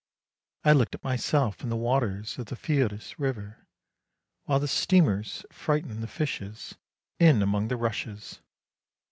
I looked at myself in the waters of the Fyris river, while the steamers frightened the fishes in among the rushes.